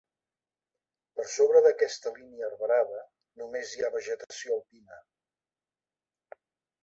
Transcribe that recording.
Per sobre d'aquesta línia arbrada, només hi ha vegetació alpina.